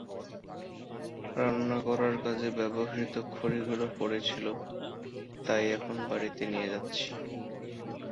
রান্নার করার কাজে ব্যবহূত খড়িগুলো পড়ে ছিল, তা-ই এখন বাড়িতে নিয়ে যাচ্ছি।